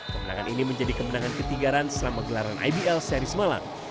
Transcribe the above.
pemenangan ini menjadi kemenangan ke tiga rans selama gelaran ibl series malang